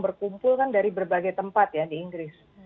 berkumpul kan dari berbagai tempat ya di inggris